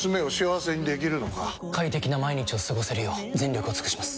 快適な毎日を過ごせるよう全力を尽くします！